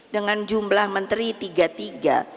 dengan jumlah menteri tiga tiga